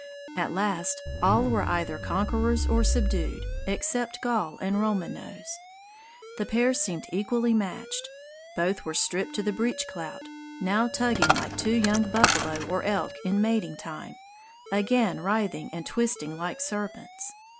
At last all were either conquerors or subdued except Gall and Roman Nose. The pair seemed equally matched. Both were stripped to the breech clout, now tugging like two young buffalo or elk in mating time, again writhing and twisting like serpents.